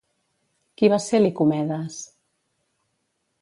Qui va ser Licomedes?